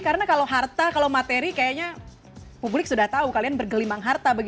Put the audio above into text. karena kalau harta kalau materi kayaknya publik sudah tahu kalian bergelimang harta